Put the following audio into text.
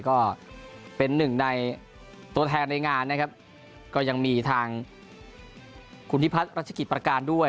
ก็เป็นหนึ่งในตัวแทนในงานนะครับก็ยังมีทางคุณพิพัฒน์รัชกิจประการด้วย